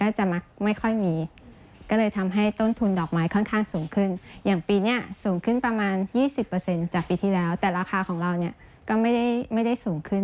อาจจะแบบลูกค้าอาจจะแบบบ่วยวายได้